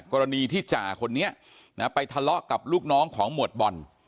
กรณีที่จ่าคนนี้ไปทะเลาะกับลูกน้องของหมวดบอล